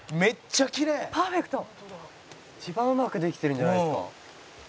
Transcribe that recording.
「一番うまくできてるんじゃないですか？」